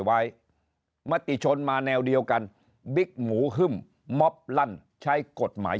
ไว้มติชนมาแนวเดียวกันบิ๊กหมูฮึ่มม็อบลั่นใช้กฎหมาย